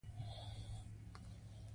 ورور مې ډير زيات خوشحاله شو